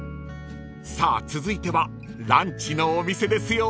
［さあ続いてはランチのお店ですよ］